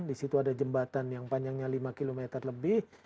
disitu ada jembatan yang panjangnya lima km lebih